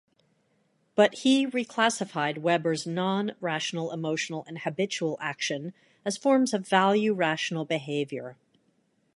But he reclassified Weber's non-rational emotional and habitual action as forms of value-rational behavior.